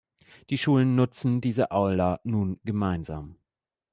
Die Schulen nutzen diese Aula nun gemeinsam.